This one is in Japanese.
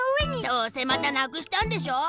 どうせまたなくしたんでしょ？